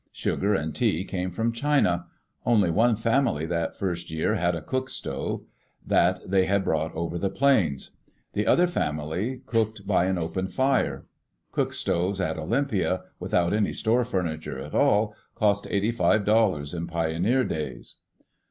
Sugar and tea came from China. Only one family that first year had a cook stove ; that they had brought over the plains. The other family cooked by an open fire. Cook stoves at Olympia, without any store furniture at all, cost eighty five dollars in pioneer days.